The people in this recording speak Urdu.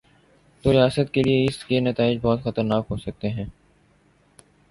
توریاست کے لیے اس کے نتائج بہت خطرناک ہو سکتے ہیں۔